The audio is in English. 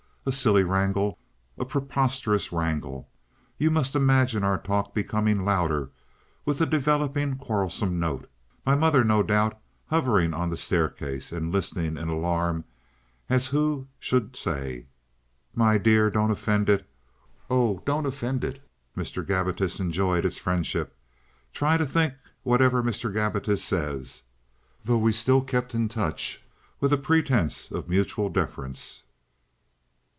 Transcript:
A silly wrangle! a preposterous wrangle!—you must imagine our talk becoming louder, with a developing quarrelsome note—my mother no doubt hovering on the staircase and listening in alarm as who should say, "My dear, don't offend it! Oh, don't offend it! Mr. Gabbitas enjoys its friendship. Try to think whatever Mr. Gabbitas says"—though we still kept in touch with a pretence of mutual deference.